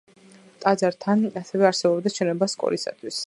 ტაძართან ასევე არსებობდა შენობა სკოლისათვის.